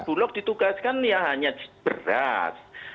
bulog ditugaskan ya hanya beras